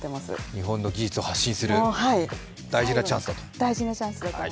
日本の技術を発信する、大事なチャンスだと。